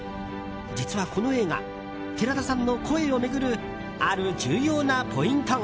実はこの映画寺田さんの声を巡るある重要なポイントが。